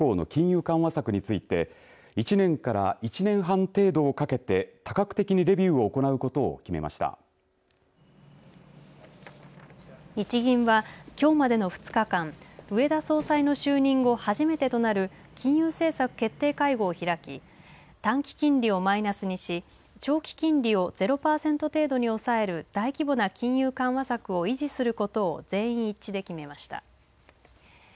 また１９９０年代後半以降の金融緩和策について１年から１年半程度をかけて多角的にレビューを行うことを日銀は、きょうまでの２日間植田総裁の就任後初めてとなる金融政策決定会合を開き短期金利をマイナスにし長期金利を０パーセント程度に抑える大規模な金融緩和策を維持することを全員一致で決めました。